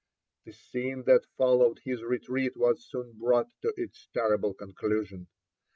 345 The scene that followed his retreat was soon brought to its horrible conclusion.